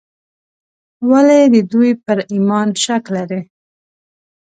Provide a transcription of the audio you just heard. ولې د دوی پر ایمان شک لري.